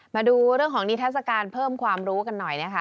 มาดูเรื่องของนิทัศกาลเพิ่มความรู้กันหน่อยนะคะ